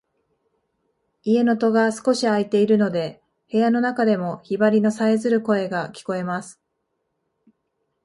家の戸が少し開いているので、部屋の中でもヒバリのさえずる声が聞こえます。